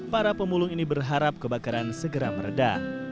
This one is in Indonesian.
para pemulung ini berharap kebakaran segera meredah